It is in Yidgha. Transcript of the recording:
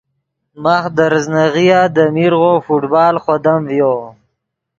ماخ دے ریزناغیا دے میرغو فٹبال خودم ڤیو